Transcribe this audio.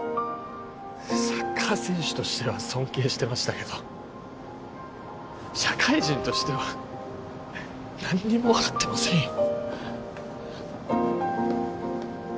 サッカー選手としては尊敬してましたけど社会人としては何にも分かってませんよ